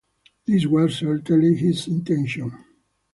This was certainly his intention.